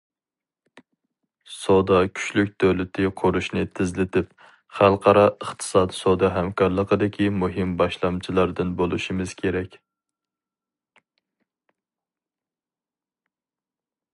سودا كۈچلۈك دۆلىتى قۇرۇشنى تېزلىتىپ، خەلقئارا ئىقتىساد سودا ھەمكارلىقىدىكى مۇھىم باشلامچىلاردىن بولۇشىمىز كېرەك.